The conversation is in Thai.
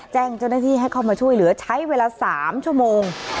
แจ้งเจ้าหน้าที่ให้เข้ามาช่วยเหลือใช้เวลา๓ชั่วโมง